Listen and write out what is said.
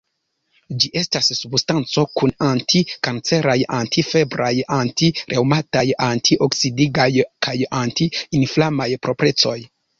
Ĝi estas substanco kun anti-kanceraj, anti-febraj, anti-reŭmataj, anti-oksidigaj kaj anti-inflamaj proprecoj.